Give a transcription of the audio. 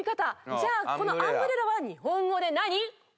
じゃあこのアンブレラは日本語で何？